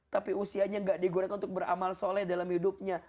tapi usianya gak digunakan untuk beramal soleh dalam hidupnya